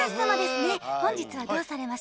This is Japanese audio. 本日はどうされましたか？